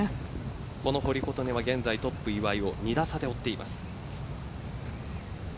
この堀琴音は現在トップ岩井を２打差で追っています。